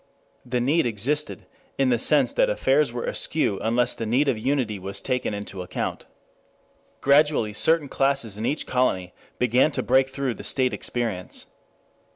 The need existed, in the sense that affairs were askew unless the need of unity was taken into account. Gradually certain classes in each colony began to break through the state experience.